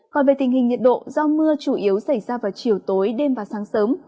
còn về tình hình nhiệt độ do mưa chủ yếu xảy ra vào chiều tối đêm và sáng sớm